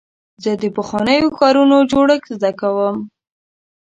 زه د پخوانیو ښارونو جوړښت زده کوم.